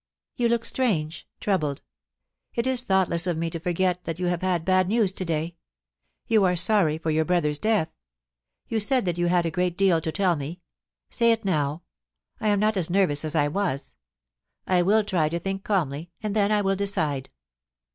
* You look strange — troubled. It is thoughtless of me to forget that you have had bad news to day. You are sorry for your brother's death. You said that you had a great deal to tell me. Say it now. I am not as nervous as I was. I will try to think calmly, and then I will decide.